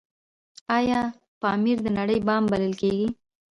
آیا پامیر د نړۍ بام بلل کیږي؟